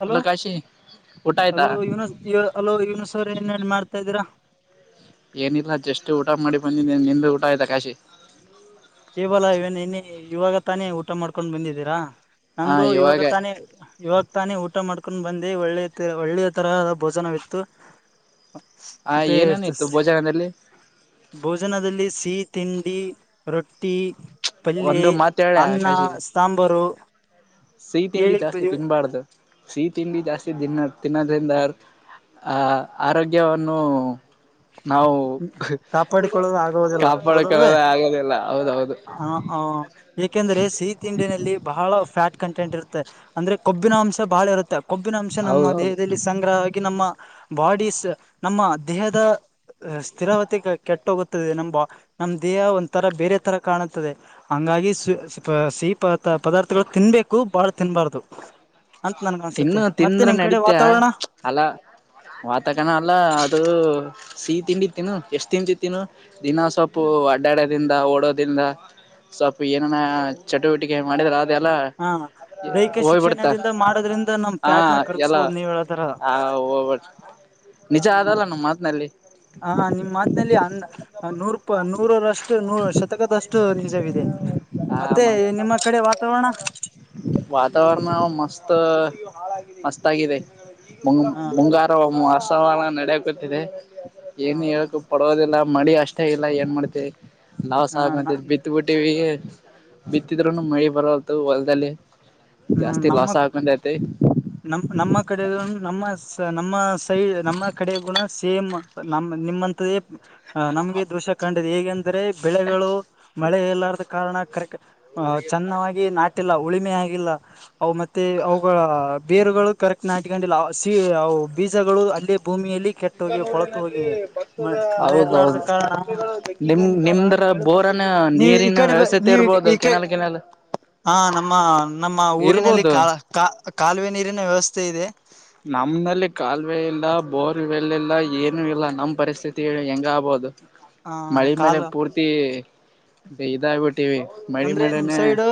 Hello ಊಟ ಆಯ್ತಾ hello Yuvan hello ಯವನಸ್ ಅವರ್ ಏನ್ನ್ನ ಮಾಡ್ತಾ ಇದೀರಾ? ಏನಿಲ್ಲ ಜಸ್ಟ್ ಊಟ ಮಾಡಿ ಬಂದಿನಿ ನಿಂದು ಊಟ ಆಯ್ತಾ ಕಾಶಿ? ಕೆವಲಾ ಇವನ್ ನಿನ್ನೆ ಇವಾಗ ತಾನೇ ಊಟ ಮಾಡ್ಕೊಂಡ ಬಂದಿದ್ದೀರಾ ನಂದು ಇವಾಗ ತಾನೇ ಇವಾಗ ತಾನೇ ಊಟ ಮಾಡ್ಕೊಂಡ್ ಬಂದೆ ಒಳ್ಳೆದ ಒಳ್ಳೆಯ ತರಹ ಭೋಜನವಿತ್ತು. ಆ ಏನೇನಿತ್ತು [unintelligible] ಭೋಜನದಲ್ಲಿ ಭೋಜನದಲ್ಲಿ ಸಿಹಿ ತಿಂಡಿ ರೊಟ್ಟಿ ಪಲ್ಲಿ ಒಂದು ಮಾತ್ ಹೇಳ ಅನ್ನ ಕಾಶಿ ಸಾಂಬಾರು ಸಿಹಿ ತಿಂಡಿ ಹೇಳಿ ಜಾಸ್ತಿ ತಿನ್ಬಾರ್ದು ಸಿಹಿ ತಿಂಡಿ ಜಾಸ್ತಿ ತಿನ್ನ ತಿನ್ನೋದ್ರಿಂದ ಆ ಆರೋಗ್ಯವನ್ನು. ನಾವು ಕಾಪಾಡಿಕೊಳ್ಳಲು ಆಗುವುದಿಲ್ಲ ಹೌದಲ್ವೇ ಕಾಪಾಡಕೊಳ್ಳದ ಆಗದಿಲ್ಲ ಹೌದೌದು. ಹ ಹ ಏಕೆಂದ್ರೆ ಸಿಹಿ ತಿಂಡಿನಲ್ಲಿ ಬಹಳ ಫ್ಯಾಟ್ ಕಂಟೆಂಟ್ ಇರುತ್ತೆ ಅಂದ್ರೆ ಕೊಬ್ಬಿನ ಅಂಶ ಬಹಳ ಇರುತ್ತೆ. ಕೊಬ್ಬಿನ ಅಂಶ ನಮ್ಮ ಹೌದೌದು ದೇಹದಲ್ಲಿ ಸಂಗ್ರಹವಾಗಿ ನಮ್ಮ ಬಾಡ ನಮ್ಮ ದೇಹದ. ಸ್ಥಿರಾವತಿ ಕೆಟ್ಟೋಗುತ್ತದೆ ನಮ್ಮ ನಮ್ ದೇಹ ಒಂ ತರ ಬೇರೆ ತರ ಕಾಣುತ್ತದೆ. ಹಂಗಾಗಿ ಸಿಹಿ ಪ ಪದಾರ್ಥಗಳು ತಿನ್ಬೇಕು ಬಾಳ ತಿನ್ಬಾರ್ದು. ಅಂತ ನನ್ಗ ಅನ್ಸುತ್ತೆ ತಿನ್ನು ಮತ್ತೆ ತಿಂದ್ರ ನಿಮ್ ಕಡೆ ನಡೀತ ವಾತಾವರಣ ಅಲ. ವಾತಕರಣ ಅಲ್ಲ ಅದು ಸಿಹಿ ತಿಂಡಿತ್ತಿನ ಎಷ್ಟ್ ತ ತಿಂತಿ ತಿನ್ನು. ದಿನ ಸೊಪು ಅಡ್ಡಾಡೋದಿಂದ ಓಡೋದಿಂದ. ಸ್ವಪ ಏನನ ಚಟುವಟಿಕೆ ಮಾಡಿದ್ರ ಅದೆ ಎಲ್ಲ ಹ ದೈಹಿಕ ಹೋಗ್ಬಿಡ್ತ. ಶಿಕ್ಷಣದಿಂದ ಮಾಡೋದ್ರಿಂದ ನಮ್ ಹಾ ಫ್ಯಾಟ್ ನ ಎಲ್ಲ ಕರ್ಗಿಸಬೋದು ನೀವ್ ಹೇಳತರ ಆ ಹ್ಬಟ್ ನಿಜ ಹ ಆದಲ್ಲ ನಮ್ಮ ಮಾತ್ನಲ್ಲಿ. ಹ ನಿಮ್ ಮಾತ್ಲ್ಲಿ ಅಂದ. ಹ ನೂರು ಪ ನೂರರಷ್ಟು ನೂರ ಶತಕದಷ್ಟು ನಿಜವಿದೆ. ಮತ್ತೆ ನಿಮ್ಮ ಕಡೆ ವಾತಾವರಣ. ವಾತಾವರ್ರಣ ಮಸ್ತ್ ಮಸ್ತ್ ಆಗಿದೆ. ಮುಂಗ ಹ ಮುಂಗಾರು ವಸವಾನ ನಡೆಯಕಟ್ಟಿದೆ ಹ ಏನು ಹೇಳಕು ಪಡೋದಿಲ್ಲ. ಮಳಿ ಅಷ್ಟೇ ಇಲ್ಲ ಏನ್ ಮಾಡ್ತತಿ ಲಾವಸ್ ಆಗ ಹ ಬಿತ್ ಬಿಟ್ಟ. ಟಿವ ಬಿತ್ತಿದ್ೂನು ಮಳಿ ಬರಲ್ ಹೊಲ್ದಲ್ಲಿ ಜಾಸ್ತಿ ಲಾಸ್ ಆಗ್ತ. [inaudible] ನಮ ನಮ್ಮ ಕಡೆ ನಮ್ಮ ನಮ್ಮ ಸೈಡ್ ನಮ್ಮ ಕಡೆ ಗುಣ. ಸೇಮ್ ನ ನಿಮ್ಮಂತೇ ನಮ್ಗೆ ದೃಶ್ಯ ಕಂಡ ಹೇಗೆ. ಆದರೆ ಬೆಳೆಗಳು ಮಳೆ ಇಲ್ಲಾರದ ಕಾರಣ ಕ ಚೆನ್ನಾಗಿ ನಾಟಿಲ್ಲವು. ಉಳಿಮೆ ಹಾಗಿಿಲ್ಲ. ಅವು ಮತ್ತೆ ಅವುಗಳ ಬೇರುಗಳು ಕರೆಕ್ಟ್ ನಾಟ್ಕೊಂಡಿಲ್ಲ ಅವು ಬೀಜಗಳು ಅಲ್ಲೇ ಭೂಮಿಯಲ್ಲಿ. ಕೆಟ್ಟ ಹೋಗಿವೆ ೂಲ್ಲಿ ಕೊಳತು ಹೋಗಿವೆ ಮ ಮಳೆ ಹೌದೌ ಇರ್ಲಾರ್ದ ಕಾರಣ ನಿ ನಿಮ. [inaudible] ಬೋರನ ನೀವು ಈ ನೀರಿನ ವ್ಯವಸ್ಥೆತೆ ಇರಬಹುದು ಕೆನಾಲ್ ಕೆನಾಲ್. ಹಾ ನಮ್ಮ ನಮ್ಮ ಊರಿನಲ್ಲಿ ಇರ್ಬೋದು ಕಾ ಕಾ ಕಾಲುವೆ ನೀರಿನ ವ್ಯವಸ್ಥೆ ಇದೆ. ನಮ್ನಲ್ಲಿ ಕಾಲುವೆ ಇಲ್ಲ ಬೋರ್ವೆಲ್ ಇಲ್ಲ ಏನು ಇಲ್ಲ ನಮ್ ಪರಿಸ್ಥಿತಿ ಹೆಂಗ ಆಗ್ಬಹದು. ಆ ಮಳೆ ಮೇಲೆ ಕಾಲು ಪೂರ್ತಿ ಇದಾಗಬಿಟ್ಟೀವಿ. ಅಂದ್ರೆ ನಿಮ್ ಸೈಡ್.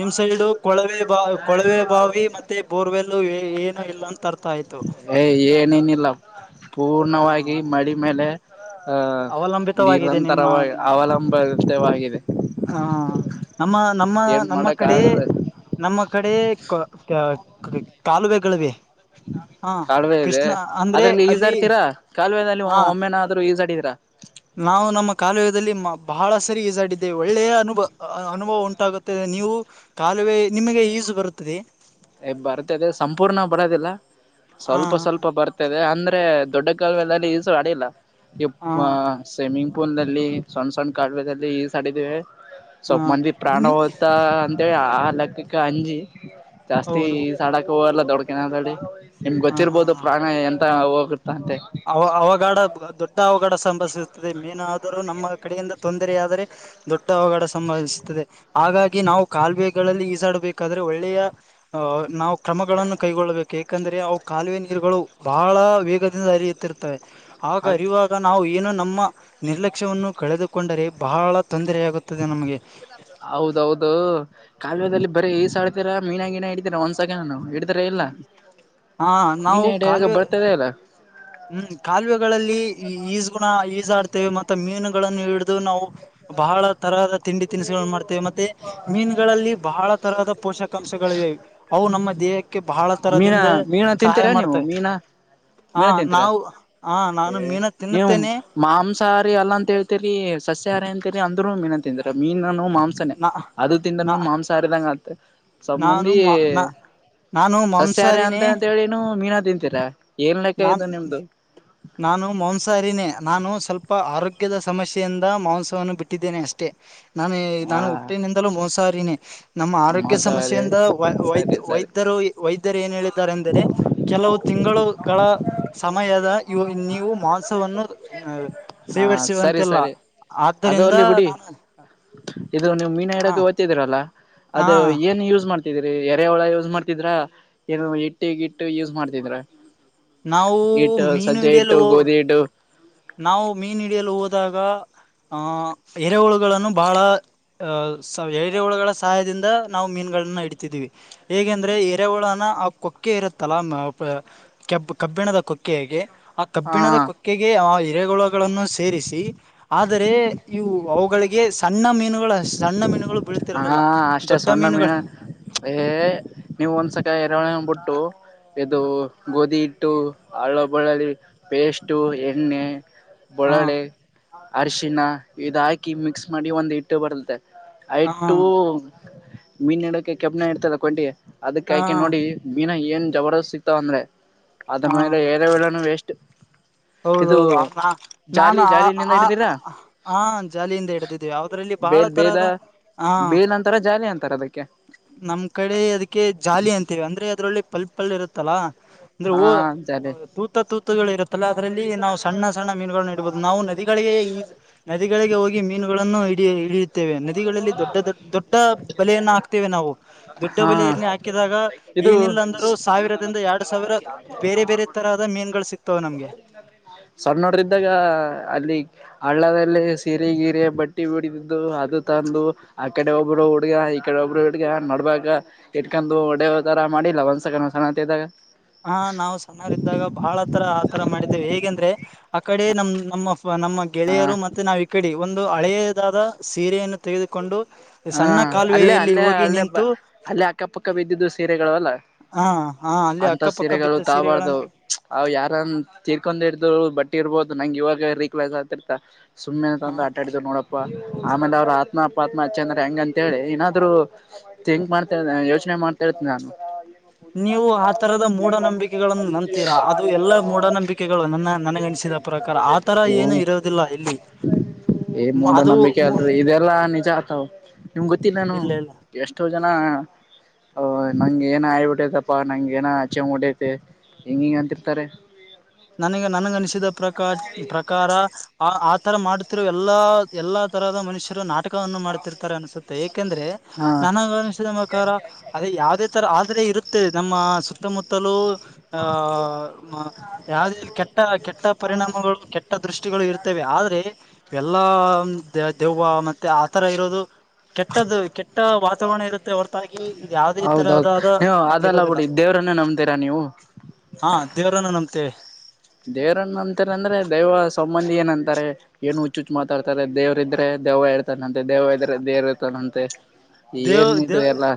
ನಿಮ್ಸೈಡು ಕೊಳವೆ ಬಾ ಕೊಳವೆ ಬಾವಿ ಮತ್ತೆ ಬೋರ್ವೆಲ್ಲ. ಇಲ್ಲ ಅಂತ ಅರ್ಥ ಆಯ್ತು. ಏ ಏನೇನಿಲ್ಲ ಹ ಪೂರ್ಣವಾಗಿ ಮಡಿ ಮೇಲೆ. ಹಹ ಅವಲಂಬಿತವಾಗಿದೆ ನಿಮ್ಮ ನಿರಂತರವ ಅವಲಂಬಿತವಾಗಿದೆ. ಹಾ ನಮ್ಮ ನಮ್ಮ ಏನ್ ನಮ್ಮ ಮಾಡಕ್ ಕಡೆ. ಆಗದ ನಮ್ಮ ಕಡೆ ಕಾಲುವೆಗಳಿವೆ. ಹಾ ಕಾಲುವೆ ಇದೆ ಕೃಷ್ಣ ಅಂದ್ರೆ ಅದ್ರಲ್ಲಿ ಈಜ ಅಲ್ಲಿ ಆರ್ತೀರಾ ಕಾಲುವೆಲ್ಲಿ ಹಾ ಒಮ್ಮೆನ. ಈಸಡಿದ್ರಾ. ನಾವು ನಮ್ಮ ಕಾಲುವದಲ್ಲಿ ಬಹಳ ಸರಿ ಈಸಾಡಿದ್ದೇವೆ ಒಳ್ಳೆಯ ಅನುಭವ ಅನುಭವ ಉಂಟಾಗುತ್ತದೆ ನೀವು. ಕಾಲುವೆ ನಿಮಗೆ ಈಸು ಬರುತ್ತದೆ. ಬರ್ತದೆ ಸಂಪೂರ್ಣ ಬರದಿಲ್ಲ ಹ ಸ್ವಲ್ಪ ಸ್ವಲ್ಪ. ಅಂದ್ರೆ ದೊಡ್ಡ ಕಾಲ ಮೇಲೆಲ್ಲಿ ಈಸ ಅಡ ಇಲ್ಲ ಇ. ಹ ಸ್ವಿಮ್ಮಿಂಗ್ ಪೂಲ್ ನಲ್ಲಿ ಸಣ್ಣ ಸಣ್ಣ ಕಾಲ್ವೆಗಳಲ್ಲಿ ಈ ಸಡಿದ್ದೀವೆ. ಸವಪ ಮಂದ ಪ್ರಾಣ ಹ ಹೋತ ಅಂತೆ ಆ ಲೆಕ್ಕಕ್ಕ ಅಂಜಿ. ಜಾಸ್ತಿ ಹೌದು ಈ ಸಡಕ್ ಹೋಗಲ್ಲ ದೊಡ್ಡಕಿನಡಿ ನಿಮ್ಗೆ ಹ ಗೊತ್ತಿರ್ಬೋುದು ಪ್ರಾಣ ಎಂತ ಹೋಗ. ಅೇ [inaudible] ಅವ ಅವಘಡ ದೊಡ್ಡ ಅವಘಡ ಸಂಭವಿಸುತ್ತದೆ. ಎನಾದರೂ ನಮ್ಮ ಕಡೆಯಿಂದ ತೊಂದರೆ ಆದರೆ ದೊಡ್ಡ ಅವಘಡ ಸಂಭವಿಸುತ್ತದೆ. ಹಾಗಾಗಿ ನಾವು ಕಾಲುವೆಗಳಲ್ಲಿ ಈಸಾಡಬೇಕಾದ್ರೆ ಒಳ್ಳೆಯ ನಾವು ಕ್ರಮಗಳನ್ನು ಕೈಗೊಳ್ಳಬೇಕು. ಯಾಕಂದ್ರೆ ಅವು ಕಾಲುವೆ ನೀರುಗಳು ಬಹಳ ವೇಗದಿಂದ ಅ ಆ ಹೌದ್ ಅರಿವಾಗ [unintelligible] ಈಗ ನಾವು ಏನು ನಮ್ಮ ನಿರ್ಲಕ್ಷ್ಯವನ್ನು ಕಳೆದುಕೊಂಡರೆ ಬಹಳ ತೊಂದರ ಆಗುತ್ತದೆ ನಮಗೆ. ಹೌದೌದು, ಕಾಲುವೆದಲ್ಲಿ ಬರೀ ಈಸ ಆಡ್ತೀರಾ ಮೀನ ಗೀನ ಇಡತೀರಾ ಒಂದ್ಸಕ ನಾನು ಇಲ್ಲ ಆ [unintelligible] ಮೀನು ನಾವು ಹಿಡಿಯಲು ಕಾಲುವೆ ಬರ್ತದೆ ಇಲ್ಲ ಹ್ಮ್, ಕಾಲುವೆಗಳಲ್ಲಿ ಈಜಗುಣ ಈಜಾಡ್ತೇವೆ. ಮತ್ತೆ ಮೀನುಗಳನ್ನು ಹಿಡಿದು ನಾವು ಬಹಳ ತರಹದ ತಿಂಡಿ ತಿನಿಸು ಮಾಡ್ತೇವೆ. ಮತ್ತೆ ಮೀನ್ಗಳಲ್ಲಿ ಬಹಳ ತರಹದ ಪೋಷಕ ಅಂಶಗಳಿವೆ ಅವು ನಮ್ಮ ದೇಹಕ್ಕೆ ಕೆ ಬಹಳ ಮೀನಾ ತರದಿಂದ ಮೀನಾ ಸಹಾಯ ತಿಂತೀರಾ ನೀವು ಮಾಡ್ತವೆ. ಮೀನಾ ಹಾ ಮೀನ ತಿಂತೀರಾ ನಾವು ಹ ನಾನು ಮೀನ ತಿನ್ನುತ್ತೇನೆ. ಮಾಂಸಹಾರಿ ಅಲ್ಲ ಅಂತ ಹೇಳ್ತರಿ ಸಸ್ಯಾಹಾರಿ ಅಂತರಿ ಅಂದ್ರೂನೂ ಮೀನ ತಿಂದ್ರಾ, ಮೀನನು ಮಾಂಸ ನಾ ಅದು ನಾ ತಿಂದ್ರ ಮಾಂಸಾಹಾರ [unintelligible] ದಂಗ ಆತ್ತ ಸ್ವಲ್ಪ ನಾನು ಮಂದಿ ಮ- ನಾ ನಾನು ಸಸ್ಯಾಹಾರಿ ಅಂತ ಮಾಂಸಾರಿನೇ ಅಂತ ಹೇಳಿನು ಮೀನಾ ತಿಂತೀರಾ ಏನ್ ಲೆಕ್ಕ ನಾನ್ ಇದು ನಿಮ್ದು. ನಾನು ಮಾಂಸಹಾರಿನೇ ನಾನು ಸ್ವಲ್ಪ ಆರೋಗ್ಯದ ಸಮಸ್ಯೆಯಿಂದ ಮಾಂಸವನ್ನು ಬಿಟ್ಟಿದ್ದೇನೆ ಅಷ್ಟೇ. ನಾನು ಹಾ ನಾನು ಹುಟ್ಟಿನಿಂದಲೂ ಮಾಮ್ಸಹಾರಿನೇ. ನಮ್ಮ ಆರೋಗ್ಯ ಮಾಂಸಾಹಾರಿ ಸಮಸ್ಯೆಯಿಂದ ವ ಸರಿ ವೈದ್ಯ ಸರಿ ವೈದ್ಯರು ವೈದ್ಯರು ಏನು ಹೇಳಿದ್ದಾರೆಂದರೆ ಕೆಲವು ತಿಂಗಳುಗಳ ಸಮಯದ ಇ ನೀವು ಮಾಂಸವನ್ನು ಹಾ, ಸರಿ ಸೇವರಿಸುವಂತಿಲ್ಲ ಸರಿ ಆದ್ದರಿಂದ ಅದೋಗಲ್ಲಿ ಬಿಡಿ ನಾನು ಇದು ನೀವು ಮೀನು ಹ ಹಿಡಿದು ಹಿಡಿತಿದ್ರಲ್ಲ ಹ ಅದು ಏನ್ ಯೂಸ್ ಮಾಡ್ ಇದ್ರಿ ಎರೆಹುಳ ಯೂಸ್ ಮಾಡ್ತಿದ್ರ ಏನ ಹಿಟ್ಟಗಿಟ್ಟು ಯೂಸ್ ಮಾಡ್ತಿದ್ರಾ ನಾವು ಹಿಟ್ಟು ಮೀನು ಸಜ್ಜೆ ಹಿಟ್ಟು, ಹಿಡಿಯಲು ಗೋಧಿ ಹಿಟ್ಟು ನಾವು ಮೀನ್ ಹಿಡಿಯಲು ಹೋದಾಗ ಆಹಾ, ಎರೆಹುಳುಗಳನ್ನು ಬಹಳ- ಎರೆ ಹುಳಗಳ ಸಹಾಯದಿಂದ ನಾವು ಮೀನ್ಗಳನ್ನ ಹಿಡ್ತಿದೀವಿ. ಹೇಗೆಂದ್ರೆ ಎರೆಹುಳನ ಆ ಕೊಕ್ಕೆ ಇರುತ್ತಲ್ಲ ಕಬ್ ಕಬ್ಬಿಣದ ಕೊಕ್ಕೆಗೆ, ಆ ಹಾ ಕಬ್ಬಿಣದ ಕೊಕ್ಕೆಗೆ ಆ ಎರೆಹುಳ ಗಳನ್ನು ಸೇರಿಸಿ ಆದರೆ ಇವು ಅವುಗಳಿಗೆ ಸಣ್ಣ ಮೀನು ಸಣ್ಣ ಮೀನುಗಳು ಬೀಳತಿರದಿಲ್ಲ ದೊಡ್ಡ ಮೀನುಗಳು ಏಯ್ ನೀವುಒಂದ್ಸತೆ ಎರೆಹುಳ ಬಿಟ್ಟು ಇದು ಗೋಧಿ ಹಿಟ್ಟು, ಅಲ್ಲಾ ಬಳ್ಳಳ್ಳಿ ಪೇಸ್ಟ್ ಎಣ್ಣೆ ಹಾ ಬಳ್ಳಳ್ಳಿ, ಅರಶಿಣ ಇದ ಹಾಕಿ ಮಿಕ್ಸ್ ಮಾಡಿ ಒಂದ್ ಹಿಟ್ಟು [unintelligible] ಬರುತ್ತೆ ಹ ಐಟ್ಟು ಮೀನ್ ಇಡಕ ಕೆಬ್ಬಣ ಇಡ್ತದ ಕೊಂಡಿ ಅದಕ್ ಹ ಆಕಿ ನೋಡಿ ಮೀನಾ ಏನ್ ಜಬರದಸ್ತ್ ಸಿಕ್ತಾವ ಅಂದ್ರೆ ಅದ್ರ ಮೇಲೆ ರೆ [unintelligible] ವೇಳಾನ ವೇಸ್ಟ್. ಹೌದ ಇದು ಹೌದು, ನಾನು ಜಾಲಿ ಜಾಲಿನಿಂದ ಆ ಹಿಡ್ದಿರಾ ಆ ಹ ಜಾಲಿಯಿಂದ ಹಿಡದಿದ್ವಿ. ಅದರಲ್ಲಿ ಬಹಳ ಬೇಲ್ ಬೇಲ ತರಹದ ಹಾ ಬೇಲ್ ಅಂತಾರ ಜಾಲಿ ಅಂತಾರ ಅದಕ್ಕೆ ನಮ್ ಕಡೆ ಅದಕ್ಕೆ ಜಾಲಿ ಅಂತೇವಿ ಅಂದ್ರೆ ಅದ್ರಲ್ಲಿ ಪಲ್ ಪಲ್ ಇರುತ್ತಲ್ಲಾ ಅಂದ್ರೆ ಹಾ ಜಾಲಿ [unintelligible] ತುತ್ತ ತೂತುಗಳು ಇರುತ್ತಲ್ಲ ಅದರಲ್ಲಿ ನಾವು ಸಣ್ಣ ಸಣ್ಣ ಮೀನುನ್ನ ಇಡ್ಬಹುದು ನಾವು ನದಿಗಳಿಗೆ ಈ ನದಿಗಳಿಗೆ ಹೋಗಿ ಮೀನುಗಳನ್ನು ಹಿ ಇಡಿಯ ಇಡಿಯುತ್ತೇವೆ ನದಿಗಳಲ್ಲಿ ದೊಡ್ಡ ದೊಡ್ ದೊಡ್ಡ ಬಲೆಯನ್ನ ಹಾಕ್ತೇವೆ ನಾವು. ದೊಡ್ಡ ಹಾ ಬಲೆಯಲ್ಲಿ ಹಾಕಿದಾಗ ಇದು ಏನಿಲ್ಲಾಂದರೂ ಸಾವಿರದಿಂದ ಎರಡ್ ಸಾವಿರ ಬೇರೆ ಬೇರೆ ತರಹದ ಮೀನ್ಗಳು ಸಿಕ್ತಾವೆನಮ್ಗೆ. ಸಣ್ಣವ್ರು ಇದ್ದಾಗ ಅಲ್ಲಿ. ಹಳ್ಳದಲ್ಲಿ ಸಿರೆ ಗಿರೆ ಬಟ್ಟಿ ಬಿಡಿದಿದ್ದು ಅದು. ತಂದು ಆ ಕಡೆ ಒಬ್ಬರು ಹುಡ್ಗ ಈ ಕಡೆ ಒಬ್ರು ಹಿಡ್ಗ ನೋಡಬಾಗ. ಇಟ್ಕುಕೊಂಡು ಹೊಡಿಯೋತರ ಮಾಡಿಲ್ಲ ಒಂದ್ಸಕಣ ಸಣಂತ ಇದ್ದಾಗ. ಹಾ ನಾವು ಸಣ್ಣರ ಇದ್ದಾಗ ಬಹಳ ತರ ಆತರ ಮಾಡಿದ್ದೇವೆ ಹೇಗೆಂದ್ರೆ. ಆ ಕಡೆ ನಮ್ ನಮ್ಮ ನಮ್ಮ ಹ ಗೆಳೆಯರು ಮತ್ತೆ ನಾವು ಈಕಡೆ ಒಂದು ಹಳೆಯದಾದ ಸೀರೆಯನ್ನು ತೆಗೆದುಕೊಂಡು. ಹಾ ಸಣ್ಣ ಅಲ್ಲೇ ಕಾಲುವೆಯಲ್ಲಿ ಅಲ್ಲೇ ಹೋಗಿ ಅಲ್ಲೇ ನಿಂತು ಅಲ್ಲೇ ಅಕ್ಕಪಕ್ಕ ಬಿದ್ದಿದ್ದು ಸೀರೆಗಳು ಅಲ್ಲ. ಹಾ ಹಾ ಅಲ್ಲೆ ಅಂತ ಅಕ್ಕಪಕ್ಕ. ಸೀರೆಗಳು ಬಿದ್ದ ಸೀರೆಗಳನ್ನು ತಾಬಾರ್ದವು. ಅವ್ ಯಾರನ್ ತೀರ್ಕೊಂಡ್ ಹಡ್ದ್ ಬಟ್ಟಿ ಇರ್ಬೋದು ನಂಗ್ ಇವಾಗ ರಿಫ್ರೆಶ್ ಆಗ್ತಿರ್ತ. ಸುಮ್ಮನೆ ಹಾ ತಂದು ಆಟ ಆಡಿದ್ ನೋಡಪ್ಪ ಆಮೇಲೆ ಅವ್ರರ ಆತ್ಮ ಅಚ್ಚೆಂದ. ಹೆಂಗ ಅಂತ ಹೇಳಿ ಏನಾದ್ರು ತಿಂಗ್ ಮಾಡ್ತಾ ಯೋಚನೆ ಮಾಡ್ತಾ ಇರ್ತಿ ನಾನು. [unintelligible] ಹ್ಮ ನೀವು ಆ ತರದ ಮೂಢನಂಬಿಕೆಗಳನ್ನು ನಂಬ್ತೀರಾ ಅದು ಎಲ್ಲಾ ಮೂಢನಂಬಿಕೆಗಳು ನನ್ನ ನನಗನಿಸಿದ ಪ್ರಕಾರ ಆತರ ಏನು ಇರೋದಿಲ್ಲ ಇಲ್ಲಿ ಏ ಮು- ಅದು ಮೂಡನಂಬಿಕೆ ಮು- ಅಲ್ರರಿ ಇದೆಲ್ಲಾ ನಿಜ ಆತಾವ ನಿಮ್ ಗೊತ್ತಿಲ್ಲ ನಾನು. ಇಲ್ಲ ಇಲ್ಲ ಎಷ್ಟೋ ಜನ. ನನಗೆ ಏನೋ ಹಾಗಿಬಿಟೈತಪ್ಪ ನನಗೆ ಏನ ಆಚೆ ಹಂಗ ಹೊಟೈತಿ ಹಿಂಗ ಹಿಂಗ ಅಂತಿರ್ತಾರೆ. ನನಗೆ ನನಗೆ ಅನಿಸಿದ್ದ ಪ್ರಕಾರ. ಆ ಆತರ ಮಾಡತಿರುವ ಎಲ್ಲಾ ಎಲ್ಲಾ ತರಹದ ಮನುಷ್ಯರು ನಾಟ. ನಟಕವನ್ನು ಮಾಡ್ತಿರ್ತಾರೆ ಅನಸುತ್ತೆ ಏಕೆಂದ್ರೆ ಹಾ ನನಗೆ ಅನಿಸಿದ ನನ್ನ ಪ್ರಕಾರ ಅದ ಯಾವುದೇ ತರ ಆದರೆ ಇರುತ್ತದೆ ನಮ್ಮ ಸುತ್ತಮುತ್ತಲು. ಹಾ. ಯಾವ್ದಿ ಕೆಟ್ಟ ಕೆಟ್ಟ ಪರಿಣಾಮಗಳು ಕೆಟ್ಟ ದೃಷ್ಟಿಗಳು ಇರ್ತವೆ ಆದ್ರೆ. ಎಲ್ಲಾ ದೆವ್ವ ಮತ್ತೆ ಆತರ ಇರೋದು. ಕೆಟ್ಟದ್ದು ಕೆಟ್ಟ ವಾತಾವರಣ ಇರುತ್ತೆ ಹೊರತಾಗಿ ಇದ್ ಯಾವದೇ ಹೌದೌದು ತರಹದಾದ ನೀವು ಅದೆಲ್ಲ ಇರೋದಿಲ್ಲ ಬಿಡಿ ದೇವ್ರನ್ನೇ ನಂಬಿ. ತೀರ ನೀವು. ಹಾ ದೇವರನ್ನ ನಂಬುತ್ತಿವಿ. ದೇವ್ರನ್ನ ಅಂತಾರೆ ಅಂದ್ರೆ ದೈವ ಸಂಬಂಧಿ ಏನಂತಾರೆ. ಏನು ಹುಚ್ಚುಚ್ಚು ಮಾತಾಡ್ತಾರಾರೆ ದೇವ್ರ ಇದ್ರೆ ದೆವ್ವ ಇರ್ತಾನಂತೆ ದೆವ್ವ ಇದ್ರೆ ದೇವ್ರ ಇರ್ತಾನಂತೆ. ದೇವ್ ಏನ್ ಇದು ದೇವ್ ಎಲ್ಲಾ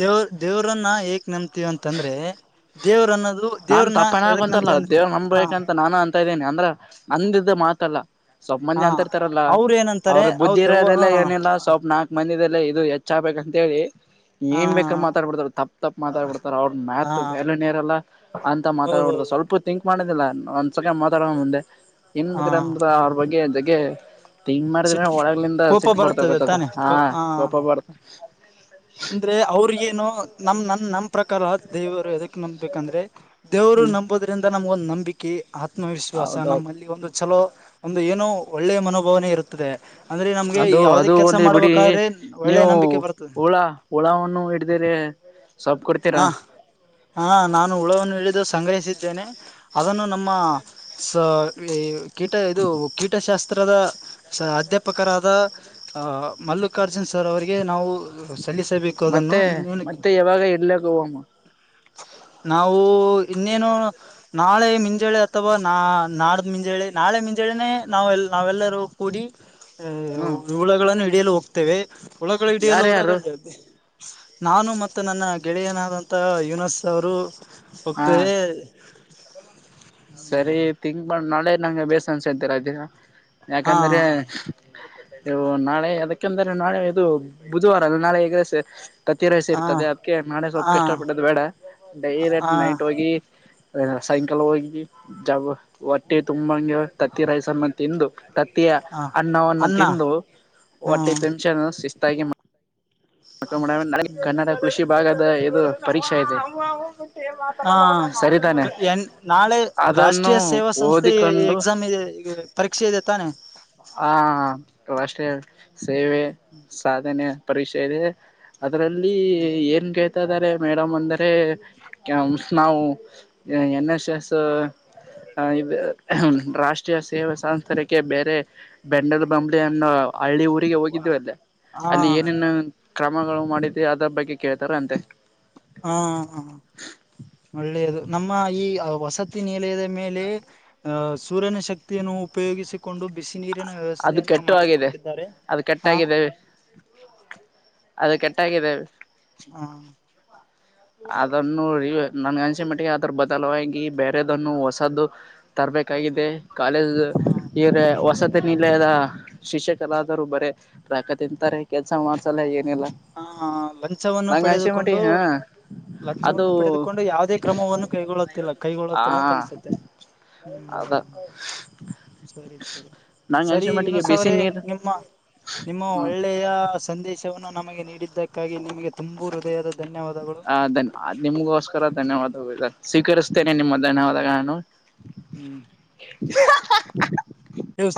ದೇವ ದೇವ್ರನ್ನ ಹೀಗೆ ನಂಬ್ತಿವಿ ಅಂತಂದ್ರೆ. ದೇವ್ರ ಅನ್ನೋದು ದೇವ್ರನ ಯದಕ್ ನಂಬುತ್ತಿವಿ ಅಂದ್ರೆ. ದೇವ್ ನಂಬಬೇಕಂತ ನಾನು ಅಂತ ಇದ್ದೀನಿ ಅಂದ್ರ ಅಂದಿದ್ದ ಮಾತಲ್ಲ. ಸ್ವಲ್ಪ್ ಹ ಮಂದಿ ಅಂತರ್ತಾರಲ್ಲ ಅವ್ರ ಏನಂತಾರೆ ಅವ್ರ ಅವ ಬುದ್ಧಿ ದೆವ್ವ ಹ ಇರೋದೆಲ್ಲ ಏನಿಲ್ಲ ಸ್ವಲ್ಪ್ ನಾಕ. ಮನದೆಲ್ಲೇ ಇದು ಹೆಚ್ಚ ಆಗ್ಬೇಕಂತ ಹೇಳಿ. ಹ ಏನು ಬೇಕಾದ್ ಮಾತಾಡ್ಬಿಡ್ತಾರೇ ತಪ್ಪ ತಪ್ಪು ಮಾತಾಡ್ಬಡ್ತ ಅವ್ರ ಹಾ ಮಾತು ವ್ಯಾಲ್ಯೂನೇರಲ್ಲ. ಅಂತ ಮಾತಾಡ್ಬಾರ್ದು ಹೌದೌದೌದು ಸ್ವಲ್ಲ. ಸಪ್ಪು ತಿಂಕ್ ಮಾಡೋದಿಲ್ಲ ನ ಒಂದು ಸಕ ಮಾತಾಡಕ ಮುಂದೆ ಏನ್ ಹಾ ಬೇಕ್ರ ಅಂದ ಅವ್ರ ಬಗ್ಗೆ ಜಗ್ಗೆ. ತಿಂಗ ಮಾಡಿದ್ರ ಸಿಟ್ ಒಳಗಲಿಂದ ಕೋಪ ಸಿಟ್ ಬರ್ತ ಬರ್ತದೆ ಗೊತ್ತದ ತಾನೆ ಹಾ ಕೋ ಹ ಕೋಪ ಬರ್ತ. ಅಂದ್ರೆ ಅವ್ರಗೇನು ನಮ್ಮ ನನ್ ನಮ್ಮ ಪ್ರಕಾರ ದೇವರು ಅದಕ್ಕೆ. ನಂಬಬೇಕಂದ್ರೆ ದೇವ್ರು ನಂಬೋದ್ರಿಂದ ನಮ್ಗ ಒಂದು ನಂಬಿಕೆ. ಹಾಕಿ ಆತ್ಮವಿಶ್ವಾಸ ಹೌದೌದು ನಮ್ಮಲ್ಲಿ ಒಂದು ಚಲೋ ಒಂದು ಏನೋ ಒಳ್ಳೆ ಮನೋಭಾವನೆ ಇರುತ್ತದೆ. ಅಂದ್ರೆ ನಮ್ಗೆ ಅದು ಯಾವದೇ ಅದು ಕೆಲ್ಸ ಹೋಗ್ಲಿ ಬಿಡಿ ಮಾಡ್ಬೇಕಾದ್ರೆ ಒಳ್ಳೆ ನೀವು ನಂಬಿಕೆ ಬರ್ತದೆ. ಹುಳ ಹುಳವನ್ನು ಹಿಡಿದಿರೆ. ಹ ಹಾ ನಾನು ಹುಳವನ್ನು ಹಿಡಿದು ಸಂಗ್ರಹಿಸಿದ್ದೇನೆ. ಅದನ್ನು ನಮ್ಮ ಸ ಈ ಕೀಟ ಇದು ಕೀಟಶಾಸ್ತ್ರದ. ಸ ಅಧ್ಯಾಪಕರಾದ ಅ ಮಲ್ಲಿಕಾರ್ಜುನ್ ಸರ್ ಅವರಿಗೆ ನಾವು ಸಲ್ಲಿಸಬೇಕು. ಮತ್ತೆ ಅದನ್ನು ಮತ್ತೆ ಯಾವಾಗ ಇಡ್ಲ ಹೋಗಂ. ನಾವು ಇನ್ನೇನು. ನಾಳೆ ಮುಂಜಾಳೆ ಅಥವಾ ನಾ ನಾಡ್ದ ಮುಂಜಾಳಿ ನಾಳೆ ಮುಂಜಳಿನೇ ನಾವ್ ನಾವೆಲ್ಲರೂ. ಕೂಡಿ ಆಹ ಹ್ಮ್ ಹುಳಗಳನ್ನು ಹಿಡಿಯಲು ಹೋಗತ್ತೇವೆ ಹುಳುಗಳನ ಹಿಡಿಯಲೂ ಯಾರ ಹೋದಾಗ ಯಾರು ನಾನು ಮತ್ತೆ ನನ್ನ ಗೆಳೆಯನಾದಂತಹ ಯುನಸ್ ಅವರು ಹಾ ಹೋಗ್ತಾ [unintelligible] ಸರಿ ಥಿಂಕ್ ಮಾಡ ನಾಳೆ ನಂಗೆ ಬೇಸ [unintelligible] ದಿನ ಹಾ ಯಾಕಂದ್ರೆ ನಾಳೆ ಅದಕ್ಕೆಂದ್ರೆ ನಾಳೆ ಇದು ಬುಧವಾರ ಅಲ್ಲ ನಾಳೆ ಎಗ್ ರೈಸ್ ತತ್ತಿರೈಸ ಹಾ ಇರ್ತದೆ ಅದಕ್ಕೆ ನಾಳೆ ಸ್ವಲ್ಪ ಹಾ ಕಷ್ಟಪಟ್ಟದು ಬೇಡ ಡೈರೆಕ್ಟ್ ಹಾ ನೈಟ್ ಹೋಗಿ. ಸಾಯಂಕಾಲ ಹೋಗಿ ಜಬ ಹೊಟ್ಟೆ ತುಂಬಾ ತತ್ತಿ ರೈಸನ್ನೂ ತಿಂದು ತ ಹಾ ಅನ್ನವನ್ನು ಅನ್ನ ತಿಂದು ಹ್ಮ ಹೊಟ್ಟೆ ತುಂಬಿಸ್ಕ ಶಿಸ್ತಾಗಿ [unintelligible] [inaudible] ಕನ್ನಡ ಕೃಷಿ ಭಾಗದ ಇದು ಪರೀಕ್ಷೆ ಇದೆ ಹಾ ಸರಿತಾನೆ ಎನ್ ನಾಳೆ ಅದನ್ನು ರಾಷ್ಟ್ರೀಯ ಸೇವಾ ಸಂಸ್ಥೆ ಓದಿಕೊಂಡು ಎಕ್ಸಾಮ್ ಇದೆ. ಪರೀಕ್ಷೆ ಇದೆತಾನೆ. ಹಾ ರಾಷ್ಟ್ರೀಯ ಸೇವೆ ಸಾಧನೆ ಪರಿಕ್ಷೆ ಇದೇ ಅದರಲ್ಲಿ ಏನ ಕೆ [unintelligible] ಮೇಡಮ್ ಅಂದರೆ ನಾವು ಎನ್ ಎಸ್ ಎಸ್ ಆ ಇದ ರಾಷ್ಟ್ರೀಯ ಸೇವೆ [unintelligible] ಬೇರೆ. ಬೆಂಡಲ್ ಬಂಬ್ಲಿ ಅನ್ನೊ ಹಳ್ಳಿ ಊರಿಗೆ ಹೋಗಿದ್ದವ ಅಲ್ಲಿ ಹಾ ಏನೇನು. ಕ್ರಮಗಳು ಮಾಡಿದವಿ ಅದ್ರ ಬಗ್ಗೆ ಕೇಳ್ತಾರ ಅಂತೆ. ಹಾ ಹಾ ಒಳ್ಳೆಯದು ನಮ್ಮ ಈ ವಸತಿ ನಿಲಯದ ಮೇಲೆ ಸೂರ್ಯನ ಶಕ್ತಿಯನ್ನು ಉಪಯೋಗಿಸಿ. ಕೊಂಡು ಬಿಸ ನೀರಿನ ಅದು ವ್ಯವಸ್ಥೆಯನ್ನು ಕೆಟ್ಟು ಆಗಿದೆ ಮಾಡಿಕೊಂಡಿದ್ದಾರೆ ಅದು ಆ ಕೆಟ್ಟಾಗಿದೆ ಅದು ಕೆಟ್ಟಹೋಗಿದೆ ಹಾ ಅದನ್ನು ನನ್ ಅನ್ಸಮಟ್ಟಿಗೆ ಅದರ ಬದಲ ವಾಗಿ ಬೇರೆದನ್ನು ಹೊಸದ್ದು ತರಬೇಕಾಗಿದೆ ಕಾಲೇಜ್ ಹ ಇಯರ್ ಹೊಸತ್ ನಿಲಯದ ಶಿಕ್ಷಕರಾದರು ಬರೇ ರೊಕ್ಕಾ ತಿಂತಾರೆ ಕೆಲ್ಸ ಮಾಡ್ಸಲ್ಲ ಏನಿಲ್ಲಾ ಹ ಲಂಚವನ್ನು ನಂಗ ಅನಿಸಿದ ಪಡೆದುಕೊಂಡು ಮಟ್ಟಿಗೆ ಹ ಲಂಚವನ್ನು ಪಡೆದುಕೊಂಡು ಯಾವುದೇ ಕ್ರಮವನ್ನು ಕೈಗೊಳ್ಳುತ್ತಿಲ್ಲ ಆ ಕೈಗೊಳ್ಳುತ್ತಿಲ್ಲ ಅಂತ ಅನಸುತ್ತೆ ಅದ ಸರಿ ಸರಿ ನಂಗ ಸರಿ ಅನ್ಸಿ ಮಟ್ಟಿಗೆ ಯುನೂಸ್ ಬಿಸಿ ಅವ್ರೇ ನೀರ್ ನಿಮ್ಮ ನಿಮ್ಮ ಹ್ಮ ಒಳ್ಳೆಯ ಸಂದೇಶವನ್ನು ನಮಗೆ ನೀಡಿದ್ದಕ್ಕಾಗಿ ನಿಮಗೆ ತುಂಬೂ ಹೃದಯದ ಧನ್ಯವಾದಗಳು ಅದ್ ನಿಮ್ಗೋಸ್ಕರತಾನೇ [unintelligible] ಸ್ವೀಕರಿಸಿ [unintelligible] ಧನ್ಯವಾದಗಳನ್ನೂ ಹ್ಮ್ ಹಾ ಹಾ ಹಾ. ನ್ಯೂಸ್